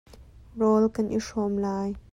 Rawl kan i hrawm lai.